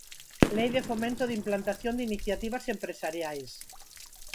Lei de fomento de implantación de iniciativas empresariais.